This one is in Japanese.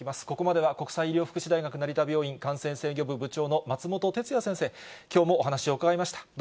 ここまでは国際医療福祉大学成田病院感染制御部部長の松本哲哉先生、きょうもお話を伺いました。